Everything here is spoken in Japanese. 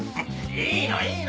いいのいいの！